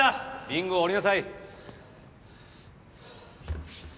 リングを降りなさい。